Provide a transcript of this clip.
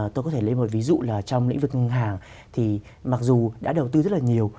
tôi có thể lấy một ví dụ là trong lĩnh vực ngân hàng thì mặc dù đã đầu tư rất là nhiều